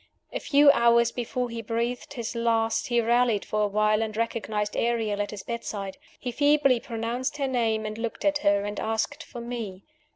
A few hours before he breathed his last he rallied for a while, and recognized Ariel at his bedside. He feebly pronounced her name, and looked at her, and asked for me.